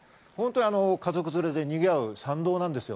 家族連れでにぎわう山道なんですよ。